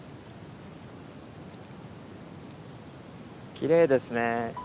きれいですね。